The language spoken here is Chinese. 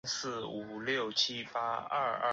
辽朝只能全力固守幽蓟。